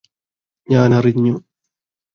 ഞാനറിഞ്ഞു